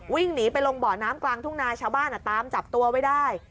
วิ่งหนีไปลงบ่อน้ำกลางทุ่งนาชาวบ้านตามจับตัวไว้ได้